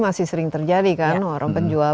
masih sering terjadi kan orang penjual